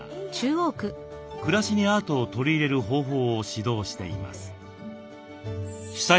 暮らしにアートを取り入れる方法を指導しています。